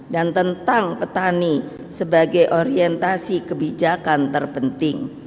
dan tentang petani sebagai orientasi kebijakan terpenting